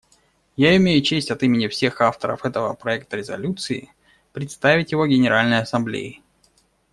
Я имею честь от имени всех авторов этого проекта резолюции представить его Генеральной Ассамблее.